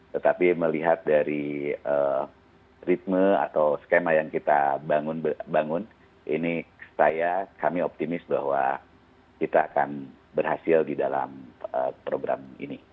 tetapi melihat dari ritme atau skema yang kita bangun ini saya kami optimis bahwa kita akan berhasil di dalam program ini